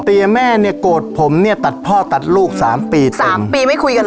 แต่เตี๋ยแม่เนี่ยโกรธผมเนี่ยตัดพ่อตัดลูก๓ปีเต็ม๓ปีไม่คุยกันเลย